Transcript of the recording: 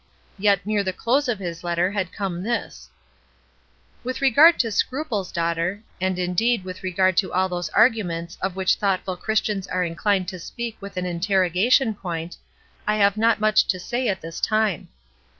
Yet near the dose of his letter had come this :— "With regard to 'scruples,' daughter, and indeed with regard to all those amusements of which thoughtful Christians are inclined to speak with an interrogation point, I have not much to say at this time.